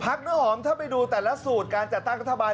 เนื้อหอมถ้าไปดูแต่ละสูตรการจัดตั้งรัฐบาล